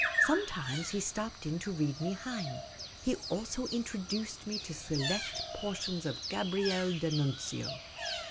Sometimes he stopped in to read me Heine : he also intro duced me to select portions of Gabriele d'Annunzio.